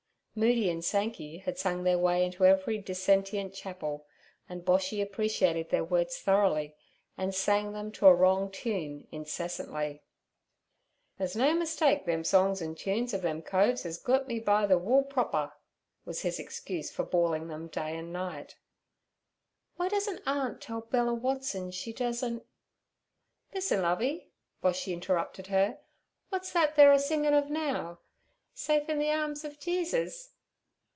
Moody and Sankey had sung their way into every dissentient chapel, and Boshy appreciated their words thoroughly, and sang them to a wrong tune incessantly. 'Ther's no mistake, them songs an' toons of them coves 'as gut me be ther wool proper' was his excuse for bawling them night and day. 'Why doesn't aunt tell Bella Watson she doesn't—' 'Lis'en, Lovey' Boshy interrupted her. 'W'at's that they're a singin' ov now—"Safe in ther arms ov Jeesis"?'